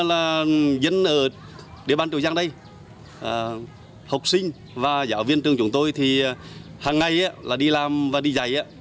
dân ở địa bàn chỗ giang đây học sinh và giáo viên trường chúng tôi thì hàng ngày là đi làm và đi dạy